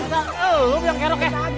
tolong dong yang kerok ya